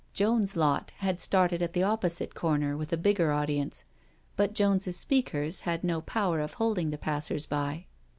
" Jones's lot " had started at the opposite corner with a bigger audience, but Jones's speakers had no power of holding the passers by.